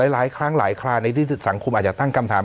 หลายครั้งหลายคราในที่สังคมอาจจะตั้งคำถาม